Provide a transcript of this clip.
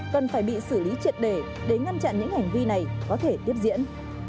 cần phải bị xử lý triệt để để ngăn chặn những hành vi này có thể tiếp diễn